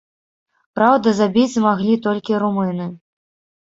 Праўда, забіць змаглі толькі румыны.